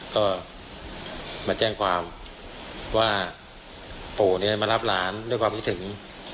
ก็มาแจ้งความว่าปู่เนี่ยมารับหลานด้วยความคิดถึง